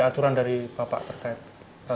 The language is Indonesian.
ada aturan dari bapak pertan